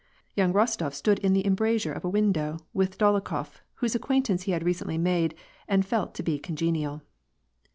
Young Ros tof stood in the embrasure of a window,' with Dolokhof, whose acquaintance he had recently made and felt to be congenial.